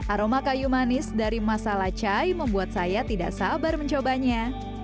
aroma kayu manis dari masala chai membuat saya tidak sabar mencobanya